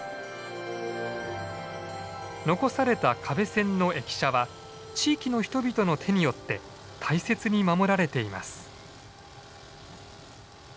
残された可部線の駅舎は地域の人々の手によって大切に守られています。